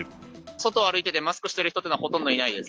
外を歩いてて、マスクしている人というのはほとんどいないです。